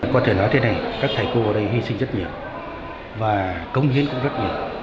có thể nói thế này các thầy cô ở đây hy sinh rất nhiều và công hiến cũng rất nhiều